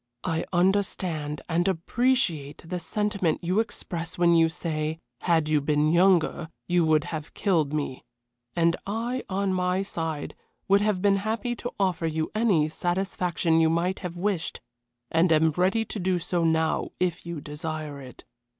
I understand and appreciate the sentiment you express when you say, had you been younger you would have killed me, and I on my side would have been happy to offer you any satisfaction you might have wished, and am ready to do so now if you desire it.